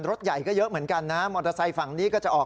รถใหญ่ก็เยอะเหมือนกันนะมอเตอร์ไซค์ฝั่งนี้ก็จะออก